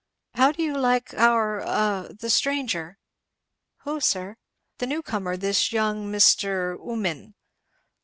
How do you like our a the stranger?" "Who, sir?" "The new comer, this young Mr. Ummin?"